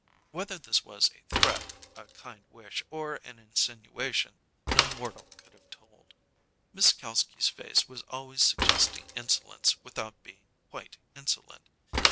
Whether this was a threat, a kind wish, or an insinuation, no mortal could have told. Miss Kalski's face was always suggesting insolence without being quite insolent.